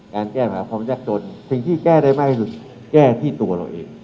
แก้ปัญหาความยากจนสิ่งที่แก้ได้มากที่สุดแก้ที่ตัวเราเอง